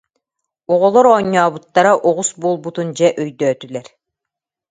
Оҕолор оонньообуттара оҕус буолбутун дьэ өйдөөтүлэр